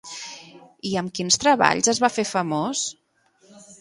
I amb quins treballs es va fer famós?